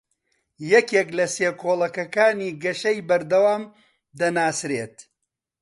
یەکێک لە سێ کۆڵەکەکانی گەشەی بەردەوام دەناسرێت